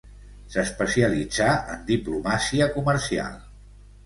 S'especialitzà en diplomàcia comercial.